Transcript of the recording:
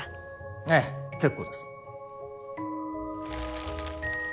ええ結構です。